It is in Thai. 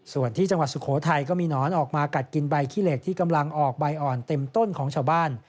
ส่วนที่จังหวัดสุโขทัยก็มีหนอนออกมากัดกินใบขี้เหล็กที่กำลังออกใบอ่อนเต็มต้นของชาวบ้าน